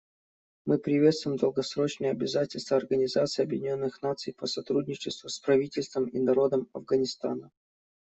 Мы приветствуем долгосрочные обязательства Организации Объединенных Наций по сотрудничеству с правительством и народом Афганистана.